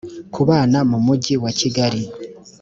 ku bana mu mujyi wa kigali